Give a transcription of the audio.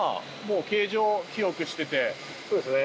そうですね。